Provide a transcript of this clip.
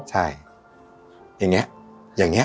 ใช่อย่างนี้อย่างนี้